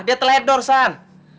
dia telah hebdorsan